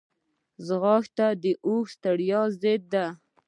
ځغاسته د اوږدې ستړیا ضد ده